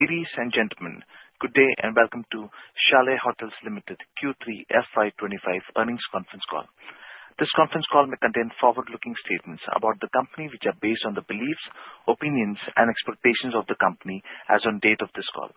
Ladies and gentlemen, good day and welcome to Chalet Hotels Limited Q3 FY2025 Earnings Conference Call. This conference call may contain forward-looking statements about the company which are based on the beliefs, opinions, and expectations of the company as of the date of this call.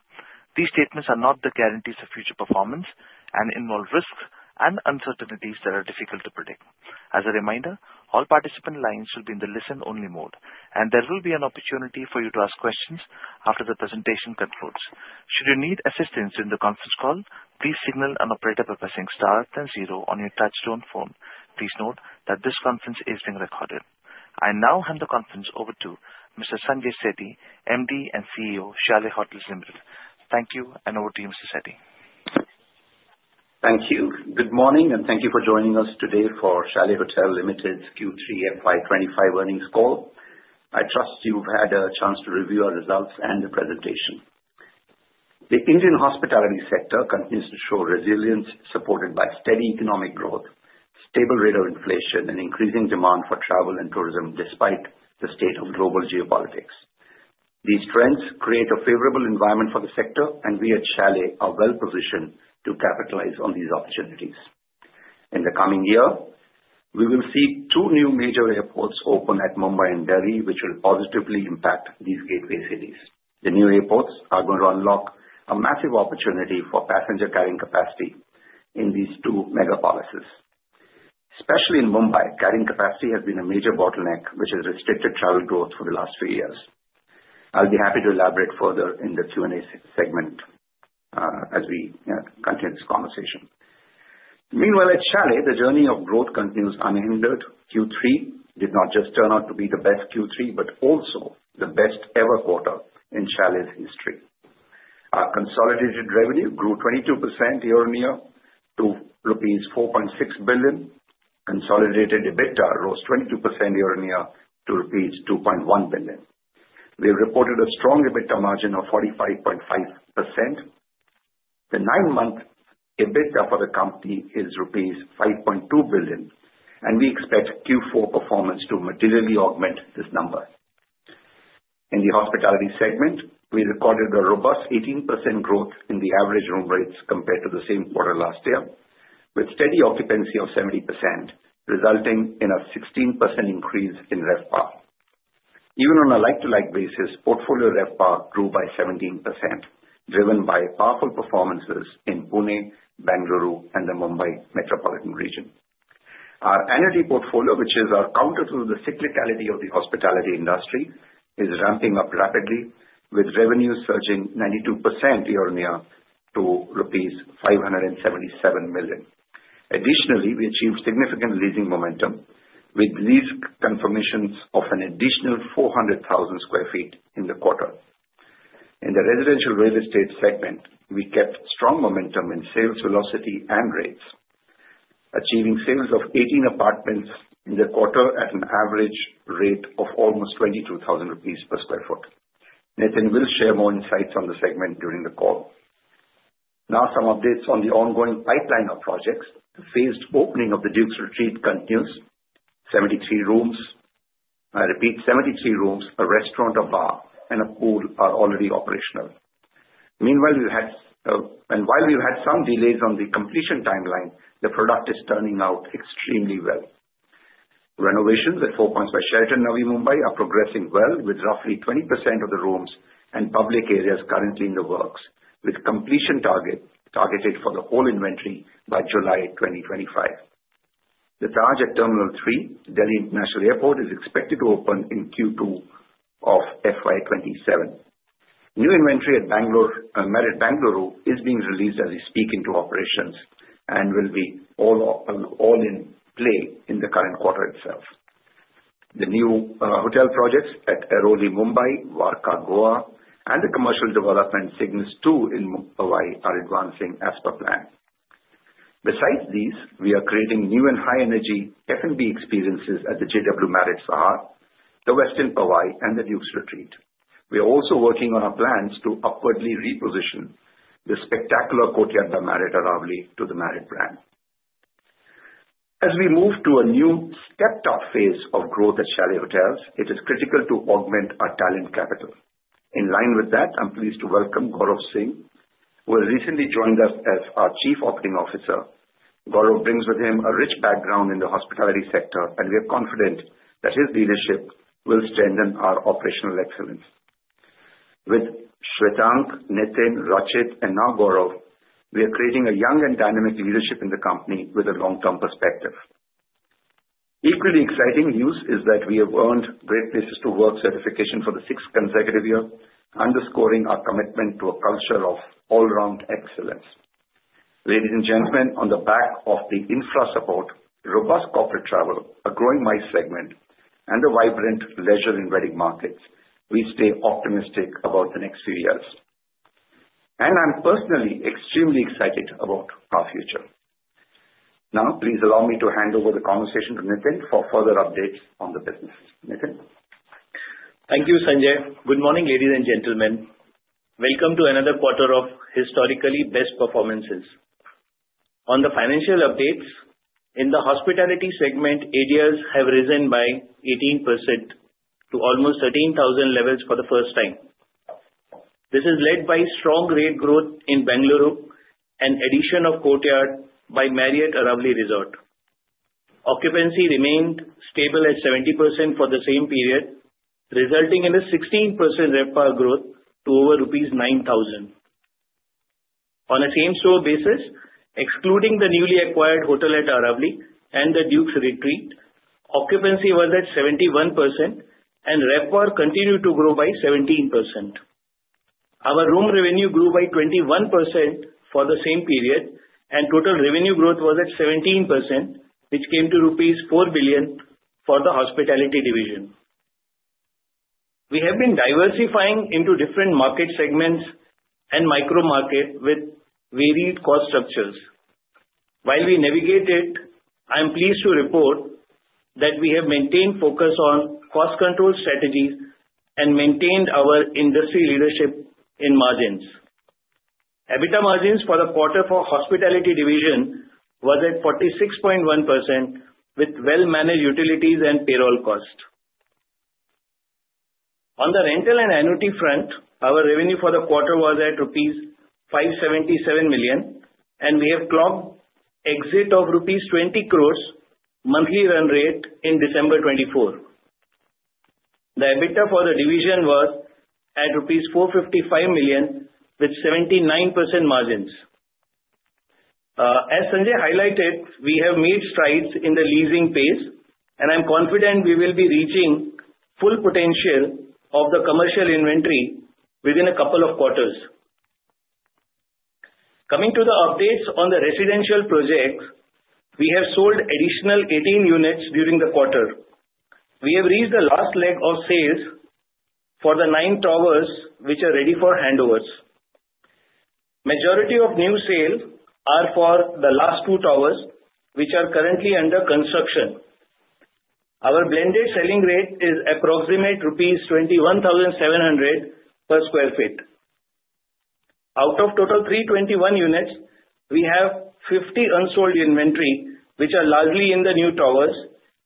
These statements are not the guarantees of future performance and involve risks and uncertainties that are difficult to predict. As a reminder, all participant lines will be in the listen-only mode, and there will be an opportunity for you to ask questions after the presentation concludes. Should you need assistance during the conference call, please signal an operator by pressing star then zero on your touch-tone phone. Please note that this conference is being recorded. I now hand the conference over to Mr. Sanjay Sethi, MD and CEO of Chalet Hotels Limited. Thank you, and over to you, Mr. Sethi. Thank you. Good morning, and thank you for joining us today for Chalet Hotels Limited Q3 FY2025 Earnings Call. I trust you've had a chance to review our results and the presentation. The Indian hospitality sector continues to show resilience supported by steady economic growth, a stable rate of inflation, and increasing demand for travel and tourism despite the state of global geopolitics. These trends create a favorable environment for the sector, and we at Chalet are well-positioned to capitalize on these opportunities. In the coming year, we will see two new major airports open at Mumbai and Delhi, which will positively impact these gateway cities. The new airports are going to unlock a massive opportunity for passenger carrying capacity in these two megapolises. Especially in Mumbai, carrying capacity has been a major bottleneck, which has restricted travel growth for the last few years. I'll be happy to elaborate further in the Q&A segment as we continue this conversation. Meanwhile, at Chalet, the journey of growth continues unhindered. Q3 did not just turn out to be the best Q3, but also the best-ever quarter in Chalet's history. Our consolidated revenue grew 22% year-on-year to rupees 4.6 billion. Consolidated EBITDA rose 22% year-on-year to rupees 2.1 billion. We reported a strong EBITDA margin of 45.5%. The nine-month EBITDA for the company is rupees 5.2 billion, and we expect Q4 performance to materially augment this number. In the hospitality segment, we recorded a robust 18% growth in the average room rates compared to the same quarter last year, with steady occupancy of 70%, resulting in a 16% increase in ref power. Even on a like-to-like basis, portfolio RevPAR grew by 17%, driven by powerful performances in Pune, Bengaluru, and the Mumbai metropolitan region. Our annuity portfolio, which is our counter to the cyclicality of the hospitality industry, is ramping up rapidly, with revenues surging 92% year-on-year to rupees 577 million. Additionally, we achieved significant leasing momentum, with lease confirmations of an additional 400,000 sq ft in the quarter. In the residential real estate segment, we kept strong momentum in sales velocity and rates, achieving sales of 18 apartments in the quarter at an average rate of almost 22,000 rupees per sq ft. Nitin will share more insights on the segment during the call. Now, some updates on the ongoing pipeline of projects. The phased opening of The Dukes Retreat continues. 73 rooms, I repeat, 73 rooms, a restaurant, a bar, and a pool are already operational. Meanwhile, while we've had some delays on the completion timeline, the product is turning out extremely well. Renovations at Four Points by Sheraton Navi Mumbai are progressing well, with roughly 20% of the rooms and public areas currently in the works, with completion targeted for the whole inventory by July 2025. The Taj at Terminal 3, Delhi International Airport, is expected to open in Q2 of FY2027. New inventory at Bengaluru is being released as we speak into operations and will be all in play in the current quarter itself. The new hotel projects at Airoli Mumbai, Varca Goa, and the commercial development Cignus 2 in Powai are advancing as per plan. Besides these, we are creating new and high-energy F&B experiences at the JW Marriott Sahar, the Westin Powai, and the Duke's Retreat. We are also working on our plans to upwardly reposition the spectacular courtyard by Marriott Aravali to the Marriott brand. As we move to a new step-up phase of growth at Chalet Hotels, it is critical to augment our talent capital. In line with that, I'm pleased to welcome Gaurav Singh, who has recently joined us as our Chief Operating Officer. Gaurav brings with him a rich background in the hospitality sector, and we are confident that his leadership will strengthen our operational excellence. With Shwetank, Nitin, Rachit, and now Gaurav, we are creating a young and dynamic leadership in the company with a long-term perspective. Equally exciting news is that we have earned Great Place to Work certification for the sixth consecutive year, underscoring our commitment to a culture of all-round excellence. Ladies and gentlemen, on the back of the infra support, robust corporate travel, a growing MICE segment, and the vibrant leisure and wedding markets, we stay optimistic about the next few years. I'm personally extremely excited about our future. Now, please allow me to hand over the conversation to Nitin for further updates on the business. Nitin. Thank you, Sanjay. Good morning, ladies and gentlemen. Welcome to another quarter of historically best performances. On the financial updates, in the hospitality segment, ADRs have risen by 18% to almost 13,000 levels for the first time. This is led by strong rate growth in Bengaluru and addition of Courtyard by Marriott Aravali Resort. Occupancy remained stable at 70% for the same period, resulting in a 16% RevPAR growth to over rupees 9,000. On a same-store basis, excluding the newly acquired hotel at Aravali and The Duke's Retreat, occupancy was at 71%, and RevPAR continued to grow by 17%. Our room revenue grew by 21% for the same period, and total revenue growth was at 17%, which came to rupees 4 billion for the hospitality division. We have been diversifying into different market segments and micro-markets with varied cost structures. While we navigate it, I'm pleased to report that we have maintained focus on cost control strategies and maintained our industry leadership in margins. EBITDA margins for the quarter for hospitality division were at 46.1%, with well-managed utilities and payroll costs. On the rental and annuity front, our revenue for the quarter was at rupees 577 million, and we have locked in rupees 20 crores monthly run rate in December 2024. The EBITDA for the division was at rupees 455 million, with 79% margins. As Sanjay highlighted, we have made strides in the leasing pace, and I'm confident we will be reaching full potential of the commercial inventory within a couple of quarters. Coming to the updates on the residential projects, we have sold additional 18 units during the quarter. We have reached the last leg of sales for the nine towers, which are ready for handovers. Majority of new sales are for the last two towers, which are currently under construction. Our blended selling rate is approximate rupees 21,700 per sq ft. Out of total 321 units, we have 50 unsold inventory, which are largely in the new towers,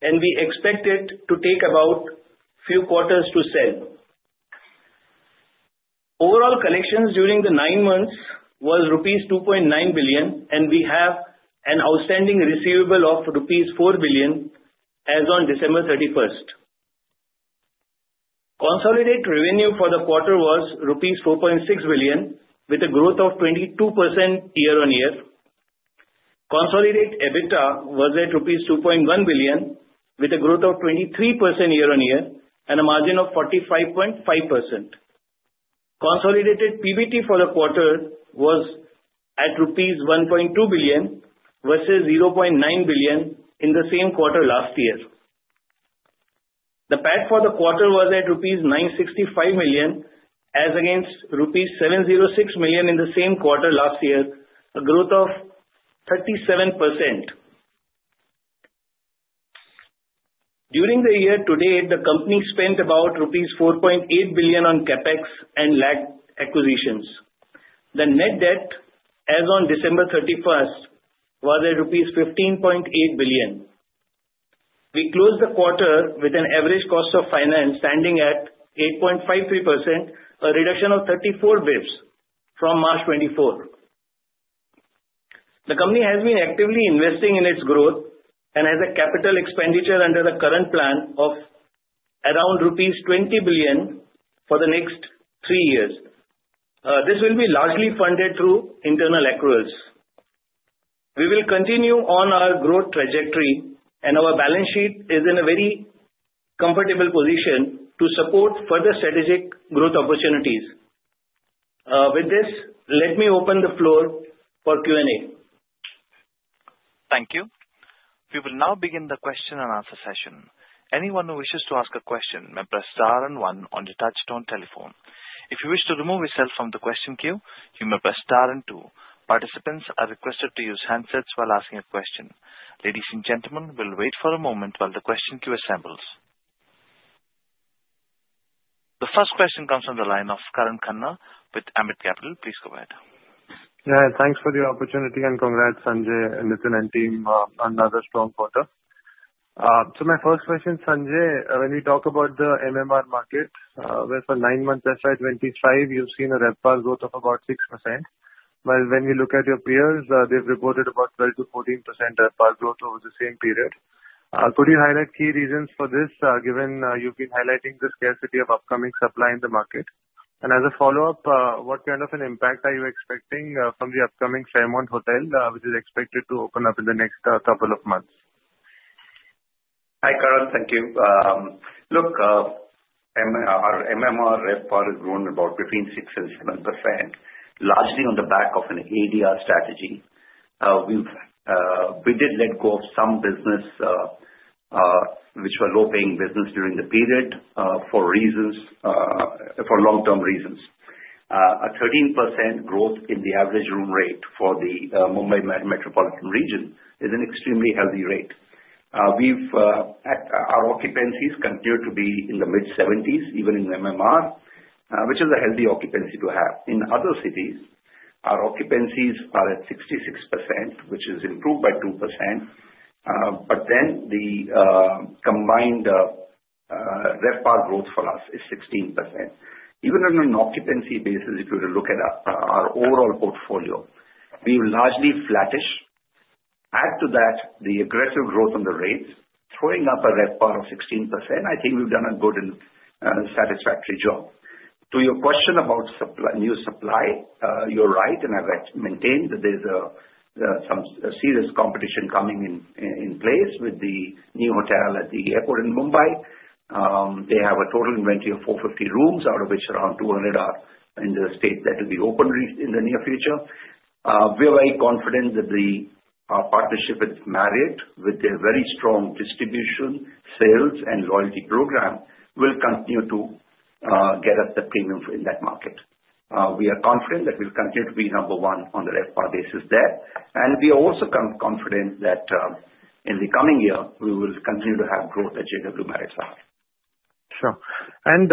and we expect it to take about a few quarters to sell. Overall collections during the nine months were rupees 2.9 billion, and we have an outstanding receivable of rupees 4 billion as on December 31st. Consolidated revenue for the quarter was rupees 4.6 billion, with a growth of 22% year-on-year. Consolidated EBITDA was at rupees 2.1 billion, with a growth of 23% year-on-year and a margin of 45.5%. Consolidated PBT for the quarter was at rupees 1.2 versus 0.9 billion in the same quarter last year. The PAT for the quarter was at rupees 965, as against 706 million in the same quarter last year, a growth of 37%. During the year to date, the company spent about rupees 4.8 billion on CapEx and land acquisitions. The net debt, as on December 31, was at rupees 15.8 billion. We closed the quarter with an average cost of finance standing at 8.53%, a reduction of 34 basis points from March 2024. The company has been actively investing in its growth and has a capital expenditure under the current plan of around rupees 20 billion for the next three years. This will be largely funded through internal accruals. We will continue on our growth trajectory, and our balance sheet is in a very comfortable position to support further strategic growth opportunities. With this, let me open the floor for Q&A. Thank you. We will now begin the question and answer session. Anyone who wishes to ask a question may press star and one on the touch-tone telephone. If you wish to remove yourself from the question queue, you may press star and two. Participants are requested to use handsets while asking a question. Ladies and gentlemen, we'll wait for a moment while the question queue assembles. The first question comes from the line of Karan Khanna with Ambit Capital. Please go ahead. Yeah, thanks for the opportunity, and congrats, Sanjay, Nitin, and team, on another strong quarter. So my first question, Sanjay, when we talk about the MMR market, where for nine months FY2025, you've seen a RevPAR growth of about 6%, while when we look at your peers, they've reported about 12% to 14% RevPAR growth over the same period. Could you highlight key reasons for this, given you've been highlighting the scarcity of upcoming supply in the market? And as a follow-up, what kind of an impact are you expecting from the upcoming Fairmont Hotel, which is expected to open up in the next couple of months? Hi, Karan. Thank you. Look, our MMR RevPAR has grown about between 6% and 7%, largely on the back of an ADR strategy. We did let go of some business, which were low-paying business during the period, for reasons, for long-term reasons. A 13% growth in the average room rate for the Mumbai metropolitan region is an extremely healthy rate. Our occupancies continue to be in the mid-70s, even in MMR, which is a healthy occupancy to have. In other cities, our occupancies are at 66%, which is improved by 2%. But then the combined RevPAR growth for us is 16%. Even on an occupancy basis, if you were to look at our overall portfolio, we've largely flattish. Add to that the aggressive growth on the rates, throwing up a RevPAR of 16%, I think we've done a good and satisfactory job. To your question about new supply, you're right, and I've maintained that there's some serious competition coming in place with the new hotel at the airport in Mumbai. They have a total inventory of 450 rooms, out of which around 200 are in the state that will be opened in the near future. We are very confident that the partnership with Marriott, with their very strong distribution, sales, and loyalty program, will continue to get us the premium in that market. We are confident that we'll continue to be number one on the RevPAR basis there. And we are also confident that in the coming year, we will continue to have growth at JW Marriott Sahar. Sure. And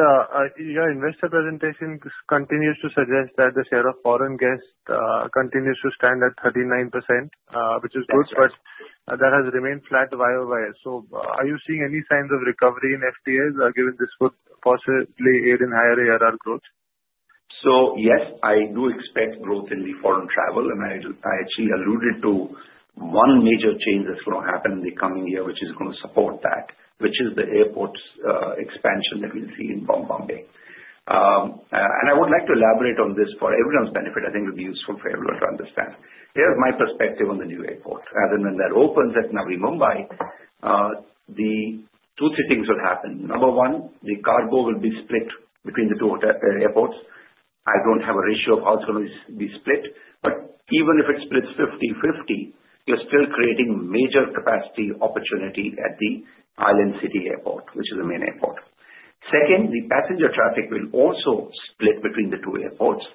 your investor presentation continues to suggest that the share of foreign guests continues to stand at 39%, which is good, but that has remained flat. Why or why? So are you seeing any signs of recovery in FTAs, given this would possibly aid in higher ARR growth? So yes, I do expect growth in the foreign travel, and I actually alluded to one major change that's going to happen in the coming year, which is going to support that, which is the airport expansion that we'll see in Mumbai, and I would like to elaborate on this for everyone's benefit. I think it would be useful for everyone to understand. Here's my perspective on the new airport. As and when that opens at Navi Mumbai, two things will happen. Number one, the cargo will be split between the two airports. I don't have a ratio of how it's going to be split, but even if it splits 50/50, you're still creating major capacity opportunity at the Island City Airport, which is the main airport. Second, the passenger traffic will also split between the two airports,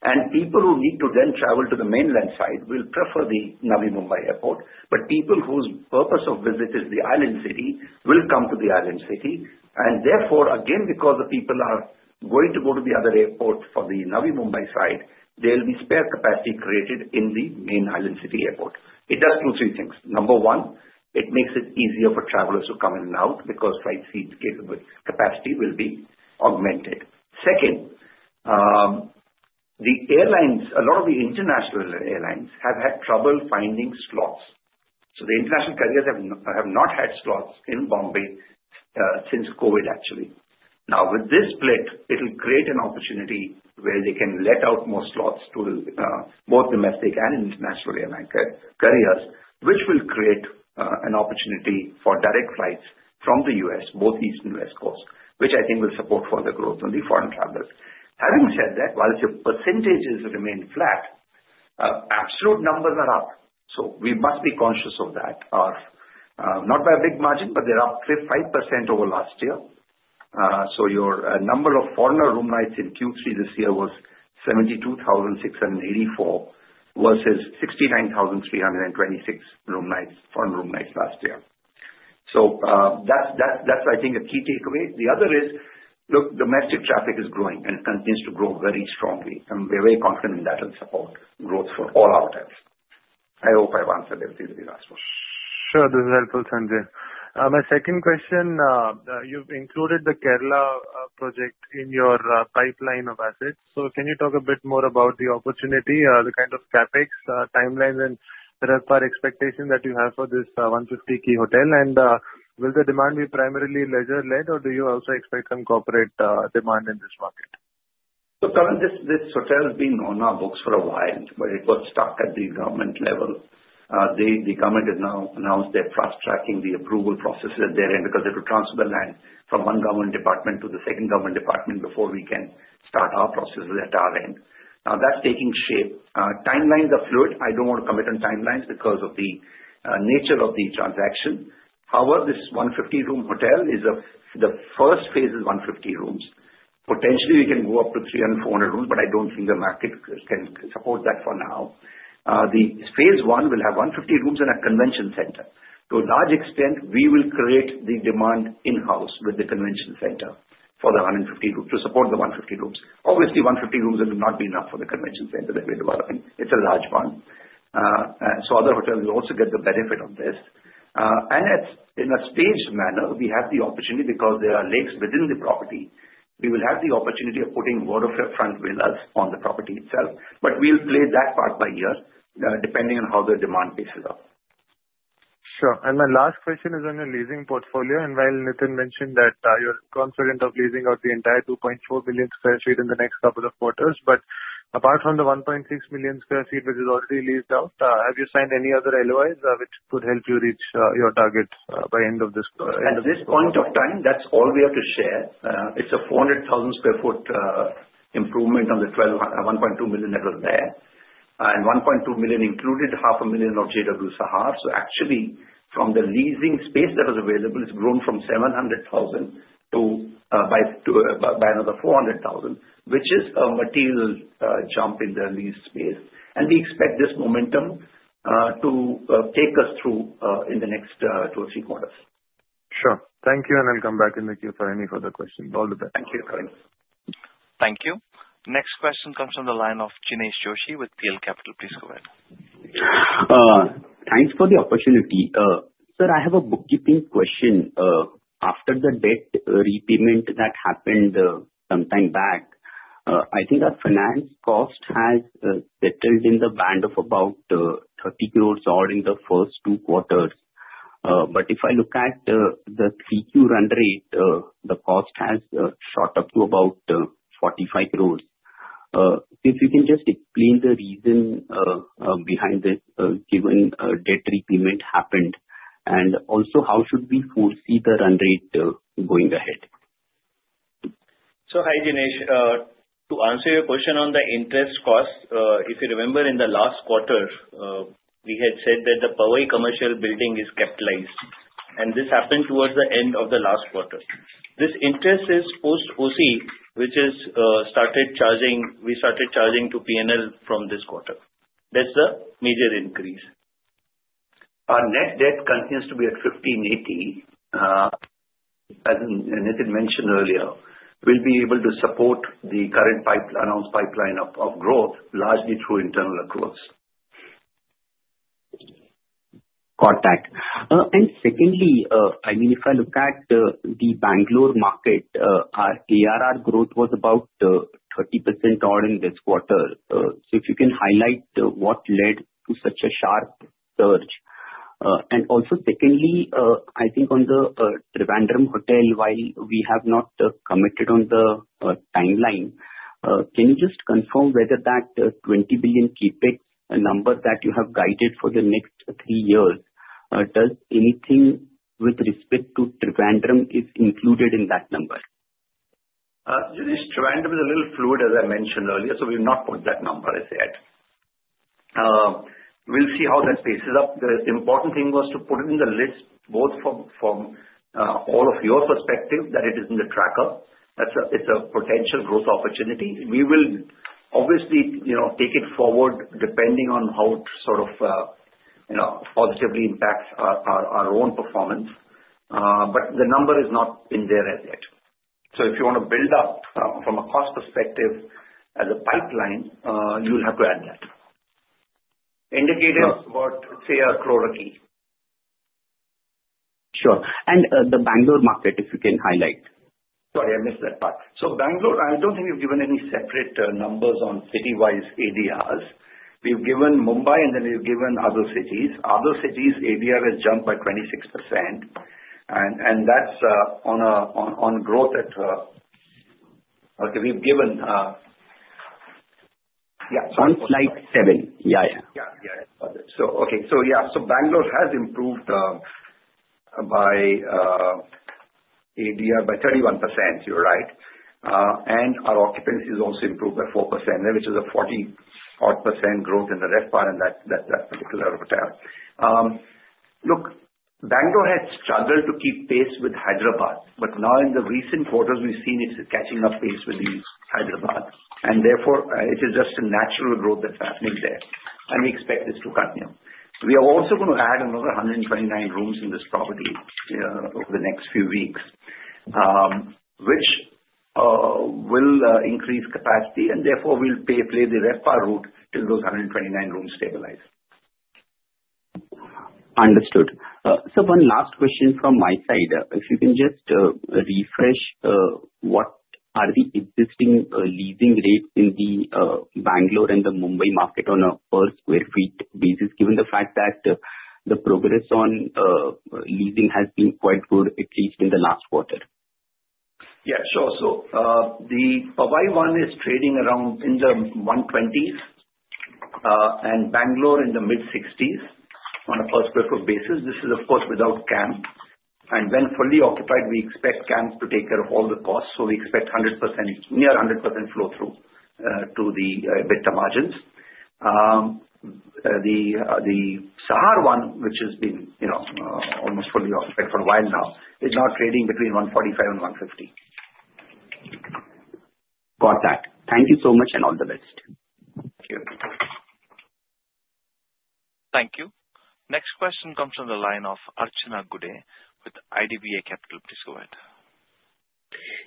and people who need to then travel to the mainland side will prefer the Navi Mumbai Airport. But people whose purpose of visit is the Island City will come to the Island City. And therefore, again, because the people are going to go to the other airport for the Navi Mumbai side, there'll be spare capacity created in the main Island City Airport. It does two or three things. Number one, it makes it easier for travelers to come in and out because flight seat capacity will be augmented. Second, the airlines, a lot of the international airlines, have had trouble finding slots. So the international carriers have not had slots in Bombay since COVID, actually. Now, with this split, it'll create an opportunity where they can let out more slots to both domestic and international airline carriers, which will create an opportunity for direct flights from the U.S., both east and west coast, which I think will support further growth on the foreign travelers. Having said that, while the percentages remain flat, absolute numbers are up, so we must be conscious of that. Not by a big margin, but they're up 5% over last year, so your number of foreign room nights in Q3 this year was 72,684 versus 69,326 foreign room nights last year, so that's, I think, a key takeaway. The other is, look, domestic traffic is growing and continues to grow very strongly, and we're very confident in that and support growth for all our hotels. I hope I've answered everything that you've asked for. Sure. This is helpful, Sanjay. My second question, you've included the Kerala project in your pipeline of assets. So can you talk a bit more about the opportunity, the kind of CapEx timelines and RevPAR expectation that you have for this 150-key hotel? And will the demand be primarily leisure, or do you also expect some corporate demand in this market? So Karan, this hotel has been on our books for a while, but it got stuck at the government level. The government has now announced they're fast-tracking the approval process at their end because they have to transfer the land from one government department to the second government department before we can start our processes at our end. Now, that's taking shape. Timelines are fluid. I don't want to commit on timelines because of the nature of the transaction. However, this 150-room hotel is the first phase is 150 rooms. Potentially, we can go up to 300-400 rooms, but I don't think the market can support that for now. The phase one will have 150 rooms and a convention center. To a large extent, we will create the demand in-house with the convention center for the 150 rooms to support the 150 rooms. Obviously, 150 rooms will not be enough for the convention center that we're developing. It's a large one. So other hotels will also get the benefit of this. And in a staged manner, we have the opportunity because there are lakes within the property. We will have the opportunity of putting waterfront villas on the property itself, but we'll play that part by year depending on how the demand faces up. Sure. And my last question is on your leasing portfolio. And while Nitin mentioned that you're confident of leasing out the entire 2.4 million sq ft in the next couple of quarters, but apart from the 1.6 million sq ft which is already leased out, have you signed any other LOIs which could help you reach your target by end of this? At this point of time, that's all we have to share. It's a 400,000 sq ft improvement on the 1.2 million that was there. And 1.2 million included 500,000 of JW Sahar. So actually, from the leasing space that was available, it's grown from 700,000 by another 400,000, which is a material jump in the lease space. And we expect this momentum to take us through in the next two or three quarters. Sure. Thank you, and I'll come back in the queue for any further questions. All the best. Thank you. Thank you. Next question comes from the line of Jinesh Joshi with PL Capital. Please go ahead. Thanks for the opportunity. Sir, I have a bookkeeping question. After the debt repayment that happened some time back, I think that finance cost has settled in the band of about 30 crores or in the first two quarters. But if I look at the three-year run rate, the cost has shot up to about 45 crores. If you can just explain the reason behind this, given debt repayment happened, and also how should we foresee the run rate going ahead? So hi, Jinesh. To answer your question on the interest cost, if you remember, in the last quarter, we had said that the Powai Commercial Building is capitalized, and this happened towards the end of the last quarter. This interest is post-OC, which is started charging. We started charging to P&L from this quarter. That's the major increase. Our net debt continues to be at 1580. As Nitin mentioned earlier, we'll be able to support the current announced pipeline of growth largely through internal accruals. Question. And secondly, I mean, if I look at the Bengaluru market, our ARR growth was about 30% or in this quarter. So if you can highlight what led to such a sharp surge. And also, secondly, I think on the Trivandrum Hotel, while we have not committed on the timeline, can you just confirm whether that 20 billion CapEx number that you have guided for the next three years does anything with respect to Trivandrum is included in that number? Trivandrum is a little fluid, as I mentioned earlier, so we've not put that number as yet. We'll see how that faces up. The important thing was to put it in the list, both from all of your perspective, that it is in the tracker. It's a potential growth opportunity. We will obviously take it forward depending on how it sort of positively impacts our own performance. But the number is not in there as yet. So if you want to build up from a cost perspective as a pipeline, you'll have to add that. Indications, say, are 100 crore a key. Sure. And the Bengalore market, if you can highlight. Sorry, I missed that part. So Bengaluru, I don't think we've given any separate numbers on city-wise ADRs. We've given Mumbai, and then we've given other cities. Other cities, ADR has jumped by 26%. And that's on growth at, okay, we've given, yeah. One flight seven. Yeah. Yeah. Okay. So yeah, so Bengaluru has improved by ADR by 31%, you're right. And our occupancy has also improved by 4% there, which is a 40-odd% growth in the RevPAR in that particular hotel. Look, Bengaluru has struggled to keep pace with Hyderabad, but now in the recent quarters, we've seen it's catching up pace with Hyderabad. And therefore, it is just a natural growth that's happening there. And we expect this to continue. We are also going to add another 129 rooms in this property over the next few weeks, which will increase capacity, and therefore, we'll play the RevPAR route till those 129 rooms stabilize. Understood. So one last question from my side. If you can just refresh, what are the existing leasing rates in the Bengaluru and the Mumbai market on a per square feet basis, given the fact that the progress on leasing has been quite good, at least in the last quarter? Yeah. Sure. So the Powai one is trading around in the 120s and Bengaluru in the mid-60s on a per sq ft basis. This is, of course, without CAM. And when fully occupied, we expect CAM to take care of all the costs. So we expect near 100% flow-through to the EBITDA margins. The Sahar one, which has been almost fully occupied for a while now, is now trading between 145 and 150. Contact. Thank you so much and all the best. Thank you. Thank you. Next question comes from the line of Archana Gude with IDBI Capital. Please go ahead.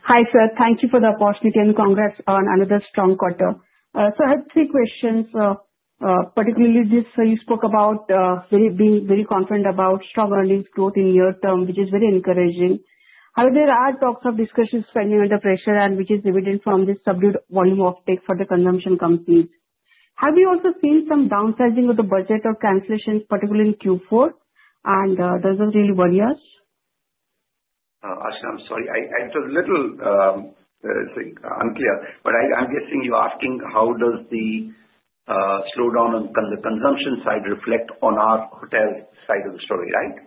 Hi, sir. Thank you for the opportunity and congrats on another strong quarter. So I have three questions, particularly this you spoke about being very confident about strong earnings growth in the long term, which is very encouraging. However, there are talks of discretionary spending under pressure, which is evident from the subdued volumes in tech and FMCG consumption companies. Have you also seen some downsizing of the budget or cancellations, particularly in Q4? And does that really worry us? Archana, I'm sorry. It was a little unclear, but I'm guessing you're asking how does the slowdown on the consumption side reflect on our hotel side of the story, right?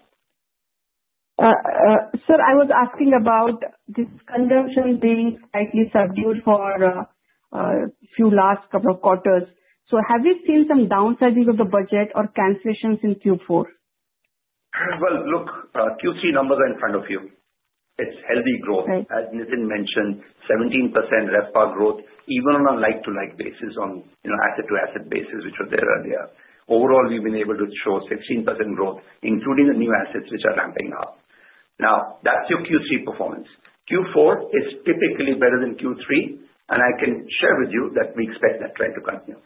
Sir, I was asking about this consumption being slightly subdued for a few last couple of quarters. So have you seen some downsizing of the budget or cancellations in Q4? Look, Q3 numbers are in front of you. It's healthy growth. As Nitin mentioned, 17% RevPAR growth, even on a like-to-like basis, on asset-to-asset basis, which was there earlier. Overall, we've been able to show 16% growth, including the new assets, which are ramping up. Now, that's your Q3 performance. Q4 is typically better than Q3, and I can share with you that we expect that trend to continue.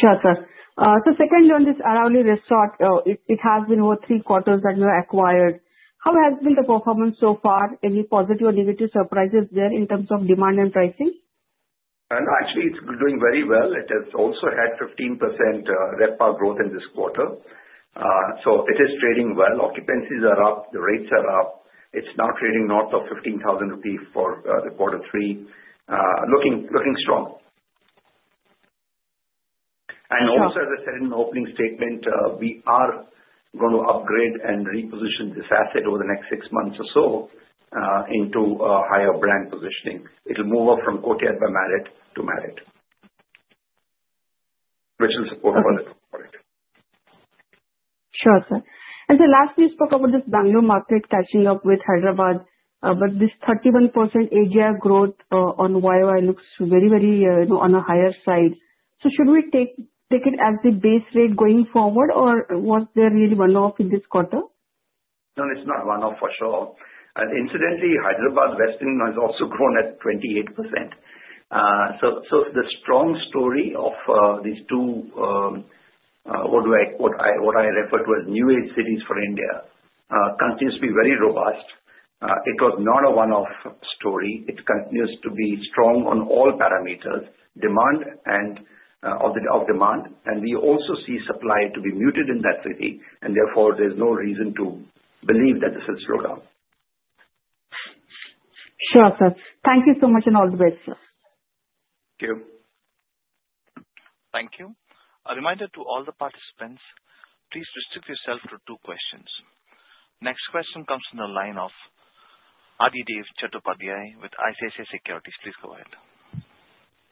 Sure, sir. So secondly, on this Aravali Resort, it has been over three quarters that you have acquired. How has been the performance so far? Any positive or negative surprises there in terms of demand and pricing? No, actually, it's doing very well. It has also had 15% RevPAR growth in this quarter. So it is trading well. Occupancies are up. The rates are up. It's now trading north of 15,000 rupees for the quarter three. Looking strong. And also, as I said in the opening statement, we are going to upgrade and reposition this asset over the next six months or so into a higher brand positioning. It'll move up from Courtyard by Marriott to Marriott, which will support for it. Sure, sir. And so lastly, you spoke about this Bengaluru market catching up with Hyderabad, but this 31% ADR growth on YY looks very, very on a higher side. So should we take it as the base rate going forward, or was there really runoff in this quarter? No, it's not one-off for sure. And incidentally, Hyderabad and Bengaluru has also grown at 28%. So the strong story of these two, what I refer to as new age cities for India, continues to be very robust. It was not a one-off story. It continues to be strong on all parameters, demand and supply. And we also see supply to be muted in that city, and therefore, there's no reason to believe that this will slow down. Sure, sir. Thank you so much and all the best, sir. Thank you. Thank you. A reminder to all the participants, please restrict yourself to two questions. Next question comes from the line of Adhidev Chattopadhyay with ICICI Securities. Please go ahead.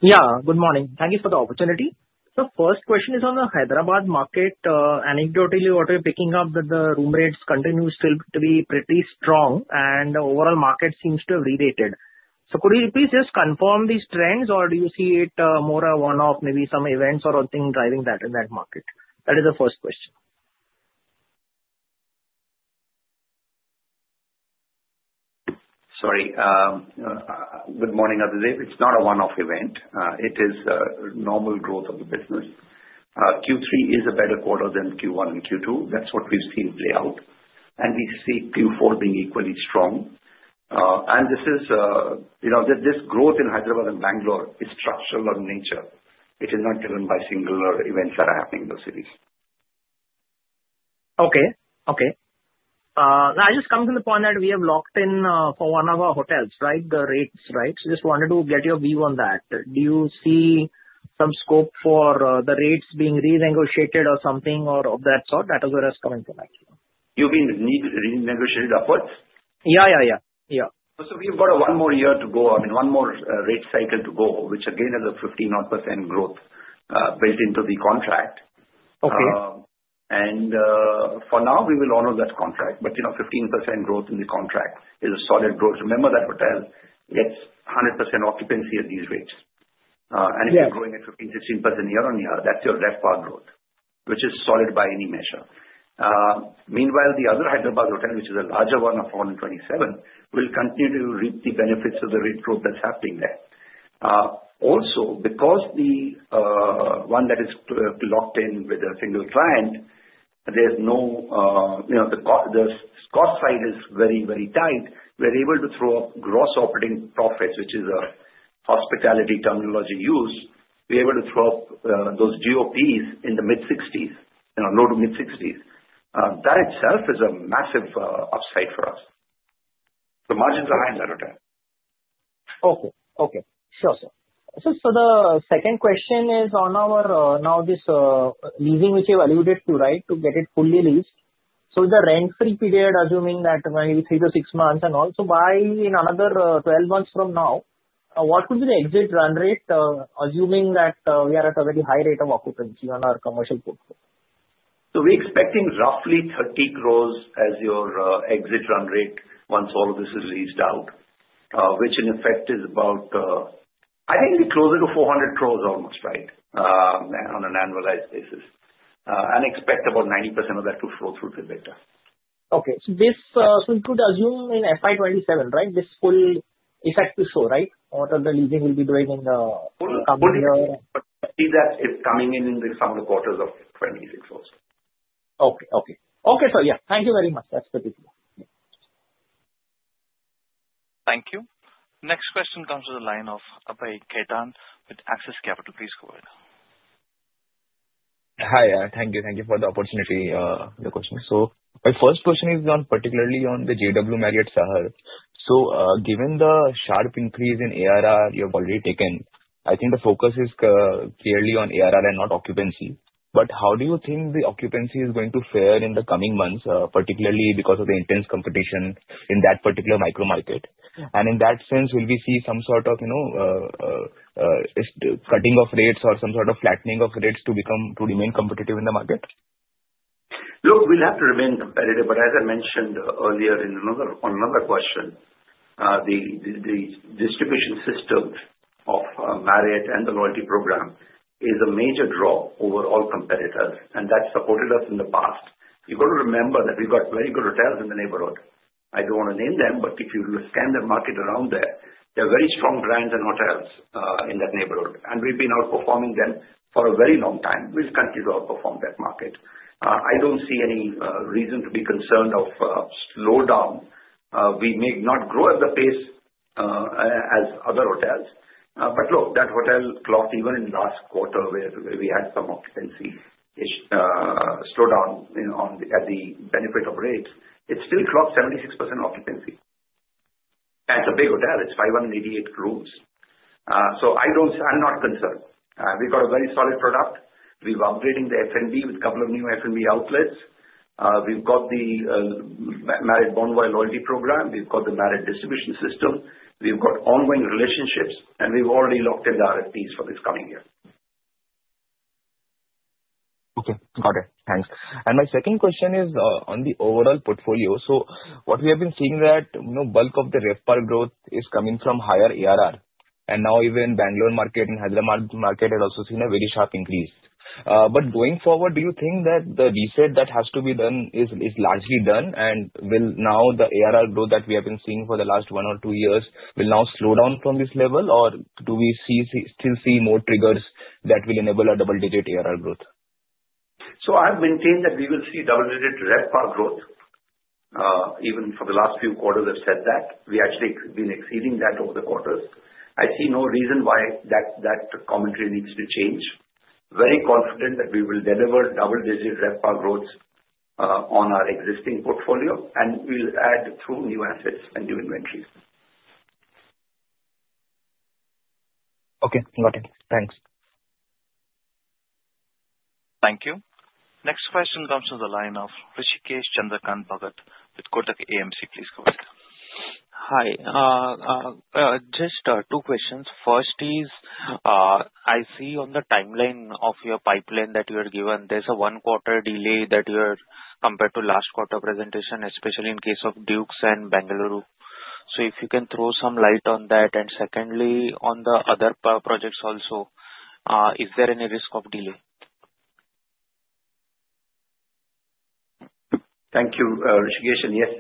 Yeah, good morning. Thank you for the opportunity. So first question is on the Hyderabad market. Anecdotally, what we're picking up is that the room rates continue still to be pretty strong, and the overall market seems to have re-rated. So could you please just confirm these trends, or do you see it more a one-off, maybe some events or something driving that in that market? That is the first question. Sorry. Good morning, Adhidev. It's not a one-off event. It is normal growth of the business. Q3 is a better quarter than Q1 and Q2. That's what we've seen play out. And we see Q4 being equally strong. And this growth in Hyderabad and Bengaluru is structural in nature. It is not driven by singular events that are happening in those cities. Okay. Okay. That just comes to the point that we have locked in for one of our hotels, right, the rates, right? So just wanted to get your view on that. Do you see some scope for the rates being renegotiated or something of that sort? That is what I was coming to. You mean renegotiated upwards? Yeah, yeah, yeah. So we've got one more year to go, I mean, one more rate cycle to go, which again has a 15-odd percent growth built into the contract. And for now, we will honor that contract. But 15% growth in the contract is a solid growth. Remember that hotel gets 100% occupancy at these rates. And if you're growing at 15%-16% year on year, that's your RevPAR growth, which is solid by any measure. Meanwhile, the other Hyderabad hotel, which is a larger one of 127, will continue to reap the benefits of the rate growth that's happening there. Also, because the one that is locked in with a single client, there's no the cost side is very, very tight. We're able to throw up gross operating profits, which is a hospitality terminology used. We're able to throw up those GOPs in the mid-60s%, low to mid-60s%. That itself is a massive upside for us. The margins are high in that hotel. Okay. Sure, sir. So the second question is on our new leasing, which you've alluded to, right, to get it fully leased. So with the rent-free period, assuming that maybe three to six months and also by then in another 12 months from now, what would be the exit run rate, assuming that we are at a very high rate of occupancy on our commercial portfolio? So we're expecting roughly 30 crores as your exit run rate once all of this is leased out, which in effect is about, I think, closer to 400 crores almost, right, on an annualized basis. And expect about 90% of that to flow through to EBITDA. Okay. So we could assume in FY2027, right, this full effect to show, right, what the leasing will be doing in the company? Full. But see that it's coming in some of the quarters of 2026 also. Okay, sir. Yeah. Thank you very much. That's perfect. Thank you. Next question comes from the line of Abhay Ketan with Axis Capital. Please go ahead. Hi. Thank you. Thank you for the opportunity for the question. So my first question is particularly on the JW Marriott Sahar. So given the sharp increase in ADR you have already taken, I think the focus is clearly on ADR and not occupancy. But how do you think the occupancy is going to fare in the coming months, particularly because of the intense competition in that particular micro market? And in that sense, will we see some sort of cutting of rates or some sort of flattening of rates to remain competitive in the market? Look, we'll have to remain competitive. But as I mentioned earlier in another question, the distribution system of Marriott and the loyalty program is a major draw over all competitors. And that's supported us in the past. You've got to remember that we've got very good hotels in the neighborhood. I don't want to name them, but if you scan the market around there, there are very strong brands and hotels in that neighborhood. And we've been outperforming them for a very long time. We'll continue to outperform that market. I don't see any reason to be concerned of slowdown. We may not grow at the pace as other hotels. But look, that hotel clocked even in last quarter where we had some occupancy slowdown at the benefit of rates. It still clocked 76% occupancy. And it's a big hotel. It's 588 rooms. So I'm not concerned. We've got a very solid product. We've upgraded the F&B with a couple of new F&B outlets. We've got the Marriott Bonvoy loyalty program. We've got the Marriott distribution system. We've got ongoing relationships. And we've already locked in the RFPs for this coming year. Okay. Got it. Thanks. And my second question is on the overall portfolio. So what we have been seeing is that bulk of the RevPAR growth is coming from higher ARR. And now, even Bengaluru market and Hyderabad market have also seen a very sharp increase. But going forward, do you think that the reset that has to be done is largely done? And will now the ARR growth that we have been seeing for the last one or two years now slow down from this level, or do we still see more triggers that will enable a double-digit ARR growth? So I've maintained that we will see double-digit RevPAR growth. Even for the last few quarters, I've said that. We've actually been exceeding that over the quarters. I see no reason why that commentary needs to change. Very confident that we will deliver double-digit RevPAR growth on our existing portfolio, and we'll add through new assets and new inventories. Okay. Got it. Thanks. Thank you. Next question comes from the line of Hrishikesh Chandrakant Bhagat with Kotak PMS. Please go ahead. Hi. Just two questions. First is, I see on the timeline of your pipeline that you have given, there's a one-quarter delay compared to last quarter presentation, especially in case of Duke's and Bengaluru. So if you can throw some light on that. And secondly, on the other projects also, is there any risk of delay? Thank you, Rishikesh. Yes.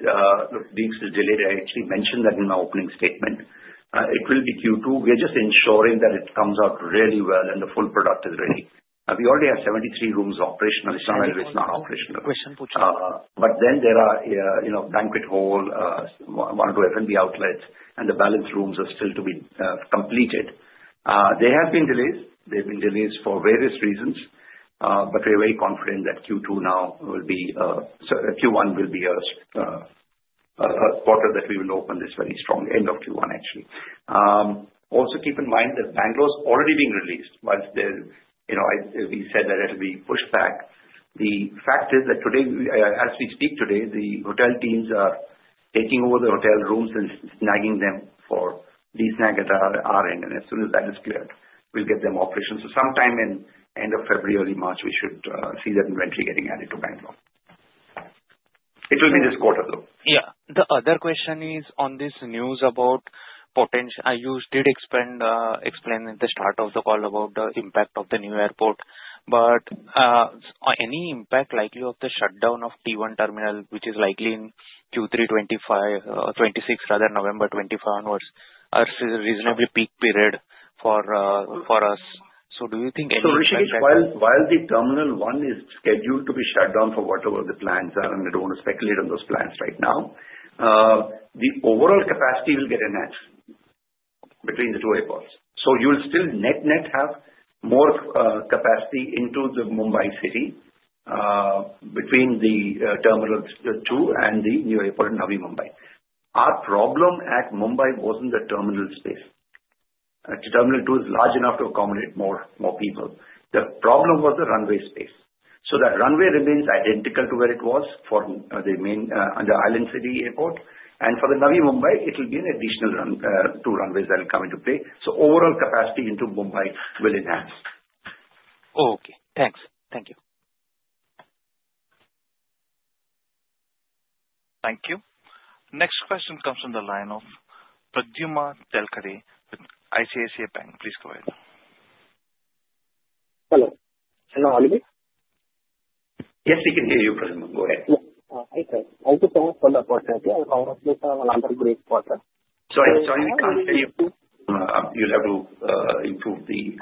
Look, Dukes is delayed. I actually mentioned that in my opening statement. It will be Q2. We're just ensuring that it comes out really well and the full product is ready. We already have 73 rooms operational. It's not always not operational. Question. But then there are banquet hall, one or two F&B outlets, and the balance rooms are still to be completed. They have been delayed. They've been delayed for various reasons. But we're very confident that Q2 now will be Q1 will be a quarter that we will open this very strong end of Q1, actually. Also, keep in mind that Bengaluru is already being released. While we said that it will be pushed back, the fact is that today, as we speak today, the hotel teams are taking over the hotel rooms and snagging them for desnag at our end. And as soon as that is cleared, we'll get them operational. So sometime in end of February, March, we should see that inventory getting added to Bengaluru. It will be this quarter, though. Yeah. The other question is on this news about potential. You did explain at the start of the call about the impact of the new airport. But any impact likely of the shutdown of T1 terminal, which is likely in Q3 2026, rather, November 2025 onwards, is a reasonably peak period for us. So do you think any? So Rishikesh, while the terminal one is scheduled to be shut down for whatever the plans are, and I don't want to speculate on those plans right now, the overall capacity will get enhanced between the two airports. So you'll still net-net have more capacity into the Mumbai city between the terminal two and the new airport in Navi Mumbai. Our problem at Mumbai wasn't the terminal space. Terminal two is large enough to accommodate more people. The problem was the runway space. So that runway remains identical to where it was for the main and the island city airport. And for the Navi Mumbai, it will be an additional two runways that will come into play. So overall capacity into Mumbai will enhance. Okay. Thanks. Thank you. Thank you. Next question comes from the line of Pradyumna Telkade with ICICI Bank. Please go ahead. Hello. Can you hear me? Yes, we can hear you, Pradyumna. Go ahead. Yes. Hi, sir. Thank you so much for the opportunity. I was on mute. On another great quarter. Sorry. Sorry, we can't hear you. You'll have to improve the.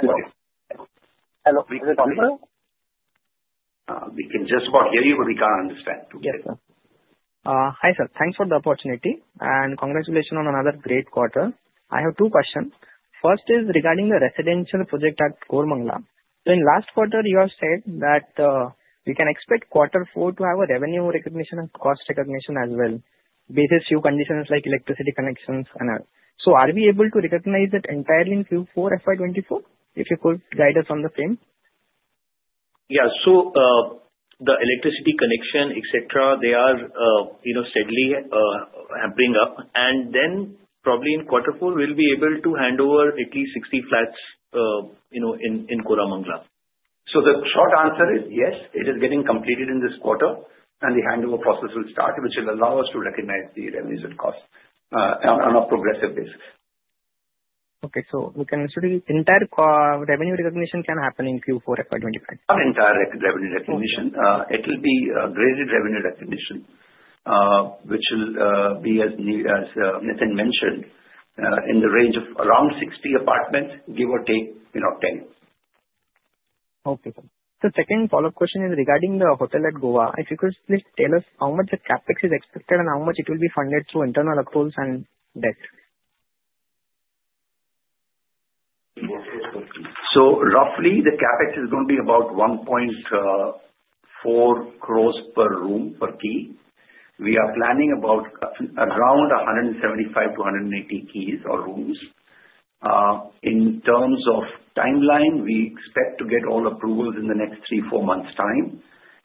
Hello. We can just about hear you, but we can't understand. Yes, sir. Hi, sir. Thanks for the opportunity. And congratulations on another great quarter. I have two questions. First is regarding the residential project at Koramangala. So in last quarter, you have said that we can expect quarter four to have a revenue recognition and cost recognition as well, based on a few conditions like electricity connections and others. So are we able to recognize that entirely in Q4 FY2024? If you could guide us on the same. Yeah. So the electricity connection, etc., they are steadily ramping up. And then probably in quarter four, we'll be able to hand over at least 60 flats in Koramangla. So the short answer is yes, it is getting completed in this quarter, and the handover process will start, which will allow us to recognize the revenues and costs on a progressive basis. Okay. So we can assume the entire revenue recognition can happen in Q4 FY2025. Not the entire revenue recognition. It will be phased revenue recognition, which will be, as Nitin mentioned, in the range of around 60 apartments, give or take 10. Okay, sir. So second follow-up question is regarding the hotel at Goa. If you could please tell us how much the CAPEX is expected and how much it will be funded through internal accruals and debt. Roughly, the CapEx is going to be about 1.4 crores per room per key. We are planning about around 175-180 keys or rooms. In terms of timeline, we expect to get all approvals in the next three, four months' time,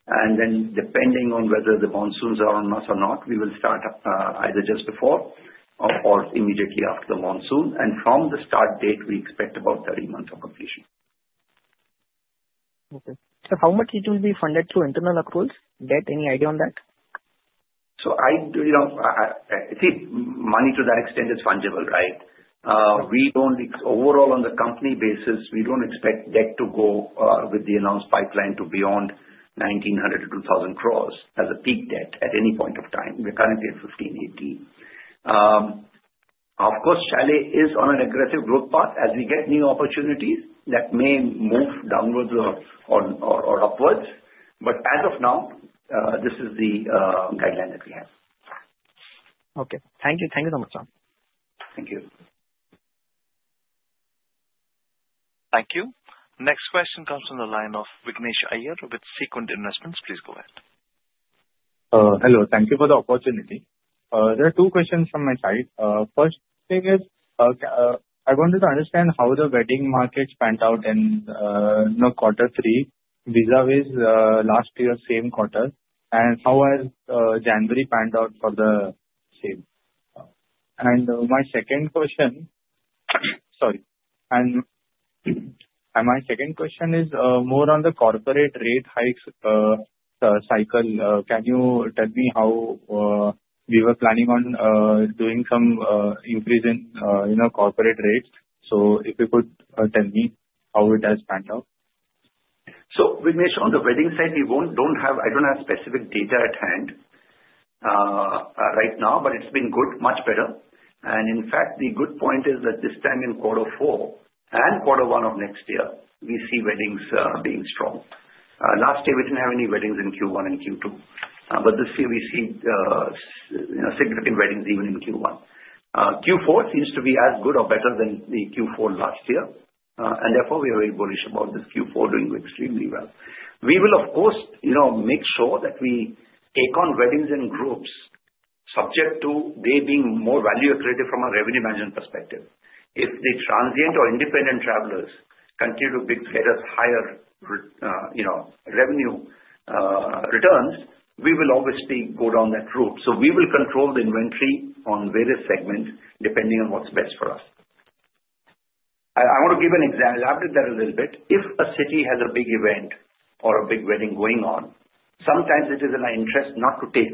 and then depending on whether the monsoons are on us or not, we will start either just before or immediately after the monsoon, and from the start date, we expect about 30 months of completion. Okay. So how much it will be funded through internal accruals? Debt, any idea on that? So I think money to that extent is fungible, right? Overall, on the company basis, we don't expect debt to go with the announced pipeline to beyond 1,900- 2,000 crores as a peak debt at any point of time. We're currently at 1,580. Of course, Chalet is on an aggressive growth path as we get new opportunities that may move downwards or upwards. But as of now, this is the guideline that we have. Okay. Thank you. Thank you so much, sir. Thank you. Thank you. Next question comes from the line of Vignesh Iyer with Sequent Investments. Please go ahead. Hello. Thank you for the opportunity. There are two questions from my side. First thing is I wanted to understand how the wedding markets panned out in quarter three vis-à-vis last year's same quarter, and how has January panned out for the same. And my second question, sorry. And my second question is more on the corporate rate hikes cycle. Can you tell me how we were planning on doing some increase in corporate rates? So if you could tell me how it has panned out. So, Vignesh, on the wedding side, I don't have specific data at hand right now, but it's been good, much better. And in fact, the good point is that this time in quarter four and quarter one of next year, we see weddings being strong. Last year, we didn't have any weddings in Q1 and Q2. But this year, we see significant weddings even in Q1. Q4 seems to be as good or better than the Q4 last year. And therefore, we are very bullish about this Q4 doing extremely well. We will, of course, make sure that we take on weddings and groups subject to they being more value-accredited from a revenue management perspective. If the transient or independent travelers continue to get us higher revenue returns, we will obviously go down that route. So we will control the inventory on various segments depending on what's best for us. I want to give an example. I'll elaborate that a little bit. If a city has a big event or a big wedding going on, sometimes it is in our interest not to take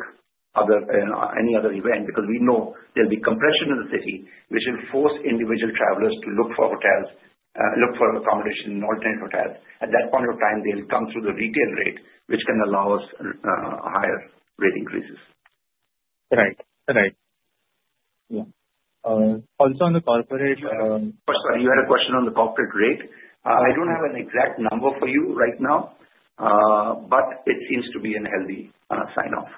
any other event because we know there'll be compression in the city, which will force individual travelers to look for accommodation in alternate hotels. At that point of time, they'll come through the retail rate, which can allow us higher rate increases. Right. Right. Yeah. Also on the corporate. Sorry, you had a question on the corporate rate. I don't have an exact number for you right now, but it seems to be a healthy sign-off.